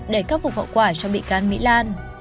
để khắc phục hậu quả cho bị can mỹ lan